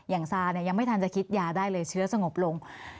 ซาเนี่ยยังไม่ทันจะคิดยาได้เลยเชื้อสงบลง